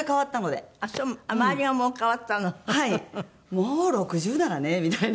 「もう６０ならね」みたいな。